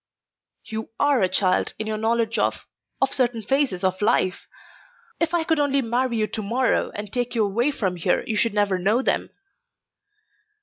"You are a child in your knowledge of of certain phases of life. If I could only marry you tomorrow and take you away from here you should never know them!"